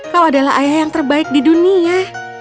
kau adalah ayah yang terbaik di dunia